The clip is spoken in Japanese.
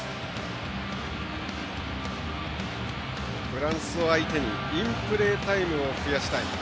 フランスを相手にインプレータイムを増やしたい。